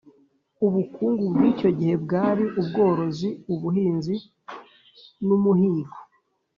Ubukungu bw’ icyo gihe bwari ubworozi ubuhinzi n’umuhigo